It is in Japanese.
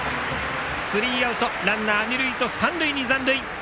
スリーアウトランナー二塁三塁に残塁。